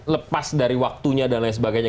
lepas dari waktunya dan lain sebagainya